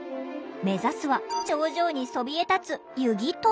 目指すは頂上にそびえ立つ瑜祗塔。